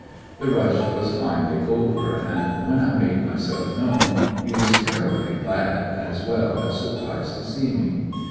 The rush was finally over and then I made myself known. He was terribly glad, as well as surprised to see me.